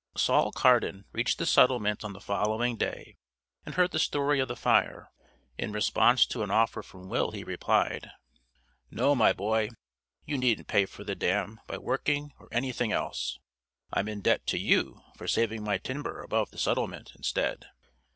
Sol Cardin reached the settlement on the following day, and heard the story of the fire. In response to an offer from Will, he replied: "No, my boy, you needn't pay for the dam by working or anything else. I'm in debt to you for saving my timber above the settlement, instead."